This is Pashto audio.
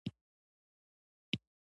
مس د افغانستان د اقلیمي نظام ښکارندوی ده.